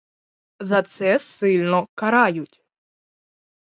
За це сильно карають.